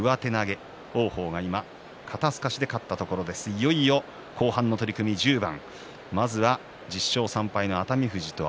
いよいよ後半の取組１０番。